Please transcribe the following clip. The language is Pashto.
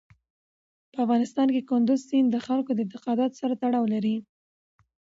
په افغانستان کې کندز سیند د خلکو د اعتقاداتو سره تړاو لري.